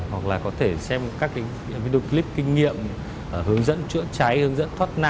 hoặc là có thể xem các video clip kinh nghiệm hướng dẫn chữa cháy hướng dẫn thoát nạn